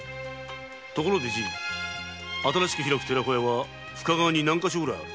ところで新しく開く寺子屋は深川に何か所ある？